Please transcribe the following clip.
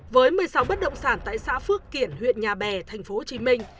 với một mươi sáu bất động sản tại xã phước kiển huyện nhà bè tp hcm